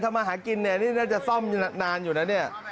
มาหากินเนี่ยนี่น่าจะซ่อมนานอยู่นะเนี่ย